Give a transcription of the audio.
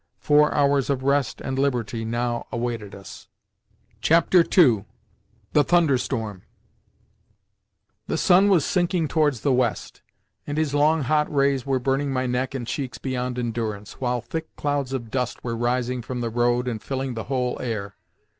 Four hours of rest and liberty now awaited us. II. THE THUNDERSTORM The sun was sinking towards the west, and his long, hot rays were burning my neck and cheeks beyond endurance, while thick clouds of dust were rising from the road and filling the whole air.